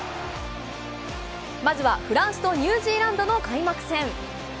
まずはフランスとニュージーランドの開幕戦。